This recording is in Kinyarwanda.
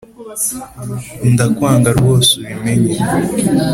ndakwanga rwose ubimenye